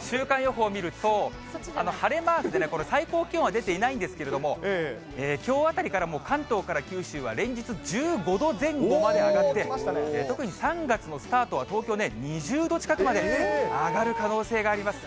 週間予報見ると、晴れマーク、最高気温は出ていないんですけれども、きょうあたりからもう、関東から九州は連日１５度前後まで上がって、特に３月のスタートは、東京で２０度近くまで上がる可能性があります。